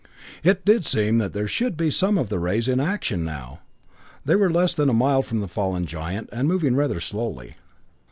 It did seem that there should be some of the rays in action now. They were less than a mile from the fallen giant, and moving rather slowly.